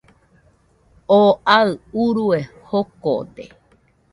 Oo aɨ urue jokode